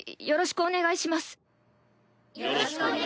よろしくお願いします。